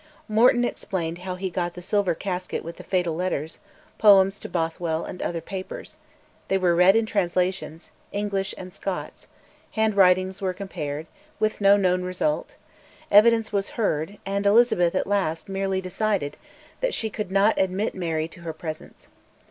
Morton explained how he got the silver casket with the fatal letters, poems to Bothwell, and other papers; they were read in translations, English and Scots; handwritings were compared, with no known result; evidence was heard, and Elizabeth, at last, merely decided that she could not admit Mary to her presence.